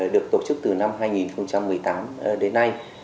được tổ chức từ năm hai nghìn một mươi tám đến nay